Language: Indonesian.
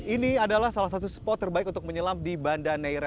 ini adalah salah satu spot terbaik untuk menyelam di banda neira